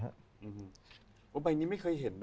ก็ใบนี้ไม่เคยเห็น